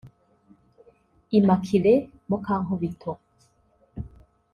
Immaculée Mukankubito